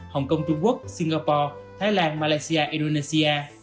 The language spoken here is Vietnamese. hồng kông trung quốc singapore thái lan malaysia indonesia